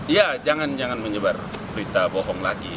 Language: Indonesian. ya jangan jangan menyebar berita bohong lagi